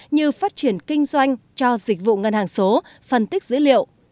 như phát triển kinh doanh cho dịch vụ ngân hàng số phân tích dữ liệu